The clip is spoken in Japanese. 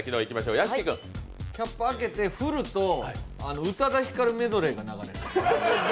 キャップ開けて振ると宇多田ヒカルメドレーが流れる。